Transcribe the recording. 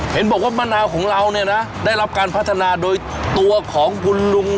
เห็นบอกว่ามะนาวของเราเนี่ยนะได้รับการพัฒนาโดยตัวของคุณลุง